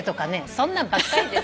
そんなのばっかりです。